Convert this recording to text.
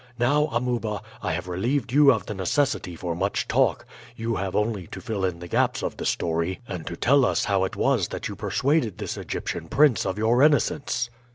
Now, Amuba, I have relieved you of the necessity for much talk; you have only to fill in the gaps of the story and to tell us how it was that you persuaded this Egyptian prince of your innocence."